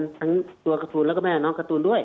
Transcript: ทั้งตัวการ์ตูนแล้วก็แม่น้องการ์ตูนด้วย